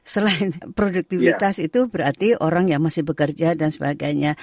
selain produktivitas itu berarti orang yang masih bekerja dan sebagainya